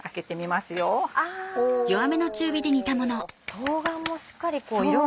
冬瓜もしっかり色が。